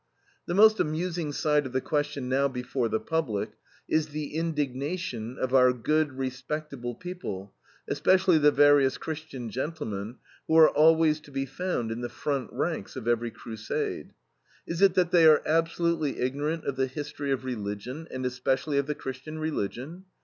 The most amusing side of the question now before the public is the indignation of our "good, respectable people," especially the various Christian gentlemen, who are always to be found in the front ranks of every crusade. Is it that they are absolutely ignorant of the history of religion, and especially of the Christian religion?